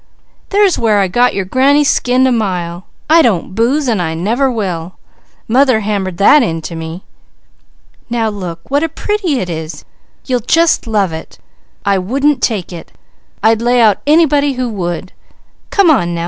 There's where I got your granny skinned a mile. I don't booze, and I never will. Mother hammered that into me. Now look what a pretty it is! You'll just love it! I wouldn't take it! I'd lay out anybody who would. Come on now!